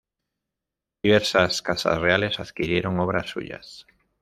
Diversas casas reales adquirieron obras suyas.